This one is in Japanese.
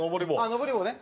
登り棒ね。